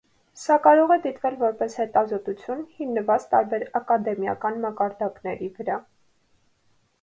Սա կարող է դիտվել որպես հետազոտություն՝ հիմնված տարբեր ակադեմիական մակարդակների վրա։